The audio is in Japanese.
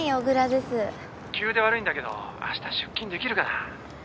☎急で悪いんだけどあした出勤できるかな？